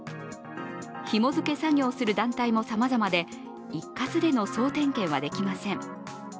ひも付け作業する団体もさまざまで、一括での総点検はできません。